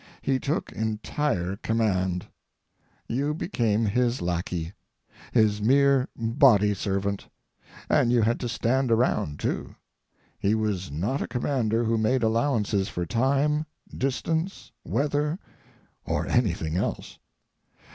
He took entire command. You became his lackey, his mere body servant, and you had to stand around too. He was not a commander who made allowances for time, distance, weather, or anything else.